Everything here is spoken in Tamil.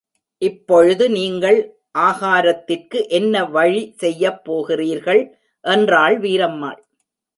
இப்பொழுது நீங்கள் ஆகாரத்திற்கு என்ன வழி செய்யப் போகிறீர்கள் என்றாள் வீரம்மாள்.